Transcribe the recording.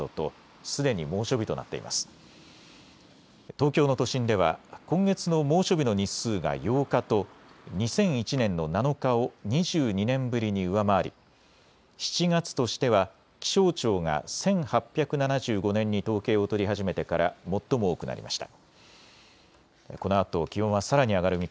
東京の都心では今月の猛暑日の日数が８日と２００１年の７日を２２年ぶりに上回り、７月としては気象庁が１８７５年に統計を取り始めてから最も多くなりました。